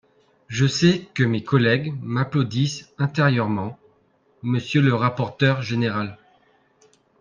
Je sais que mes collègues m’applaudissent intérieurement, monsieur le rapporteur général